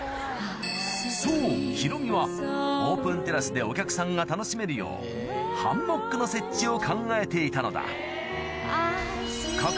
そうヒロミはオープンテラスでお客さんが楽しめるようハンモックの設置を考えていたのだ角